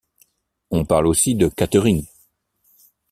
On parle aussi de catering.